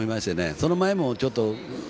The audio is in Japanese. その前も、ちょっと。